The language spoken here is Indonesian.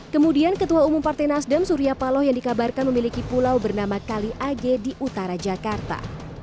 kemudian ketua umum partai nasdem surya paloh yang dikabarkan memiliki pulau bernama kali age di utara jakarta